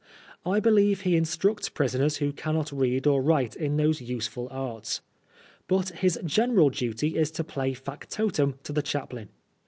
I believe he instructs prisoners who cannot read or write in those useful arts. But his general duty is to play factotum to the chaplain.